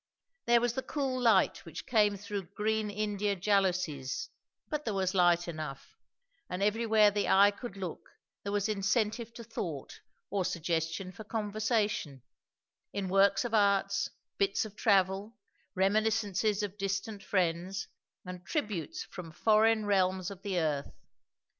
There was the cool light which came through green India jalousies, but there was light enough; and everywhere the eye could look there was incentive to thought or suggestion for conversation, in works of arts, bits of travel, reminiscences of distant friends, and tributes from foreign realms of the earth.